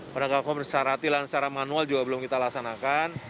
penangkang komersilatil dan secara manual juga belum kita laksanakan